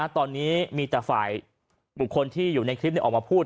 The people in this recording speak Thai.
ตอนนี้มีแต่ฝ่ายบุคคลที่อยู่ในคลิปออกมาพูด